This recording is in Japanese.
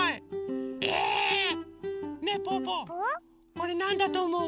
これなんだとおもう？